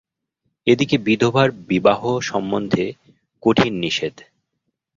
এ দিকে বিধবার বিবাহ সম্বন্ধে কঠিন নিষেধ।